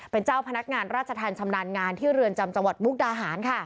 เป็นเจ้าพนักงานราชธรรมชำนาญงานที่เรือนจำจังหวัดมุกดาหารค่ะ